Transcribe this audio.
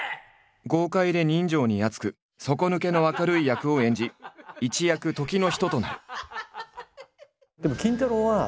豪快で人情にあつく底抜けの明るい役を演じ一躍時の人となる。